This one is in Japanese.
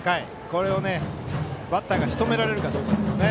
これをバッターがしとめられるかどうかですね。